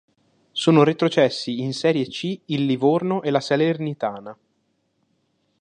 Sono retrocessi in Serie C il Livorno e la Salernitana.